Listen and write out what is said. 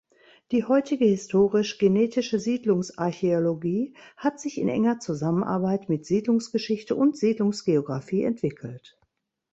Die heutige historisch-genetische Siedlungsarchäologie hat sich in enger Zusammenarbeit mit Siedlungsgeschichte und Siedlungsgeographie entwickelt.